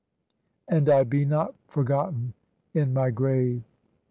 And I be not forgotten in my grave."